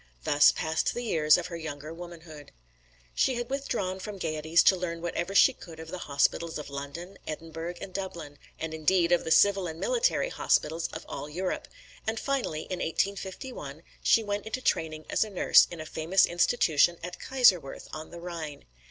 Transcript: Thus passed the years of her younger womanhood. She had withdrawn from gaieties to learn whatever she could of the hospitals of London, Edinburgh and Dublin, and indeed, of the civil and military hospitals of all Europe, and finally in 1851, she went into training as a nurse in a famous institution at Kaiserwerth on the Rhine.